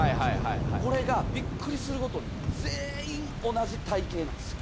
これがビックリすることに全員同じ体形なんですよ。